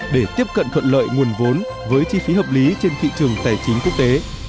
để tiếp cận thuận lợi nguồn vốn với chi phí hợp lý trên thị trường tài chính quốc tế